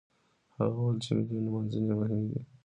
هغه وويل چې ملي نمانځنې مهمې دي.